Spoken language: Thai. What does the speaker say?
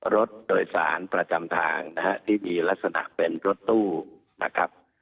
รถโดยสารประจำทางนะฮะที่มีลักษณะเป็นรถตู้นะครับ